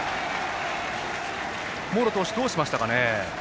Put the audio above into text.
茂呂投手、どうしましたかね。